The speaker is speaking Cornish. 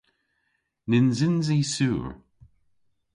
Nyns yns i sur.